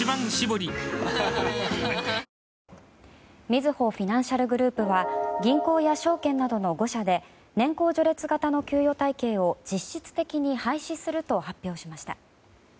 みずほフィナンシャルグループは銀行や証券などの５社で年功序列型の給与体系を実質的に廃止すると発表しました。